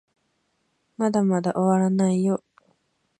まだまだ終わらないよ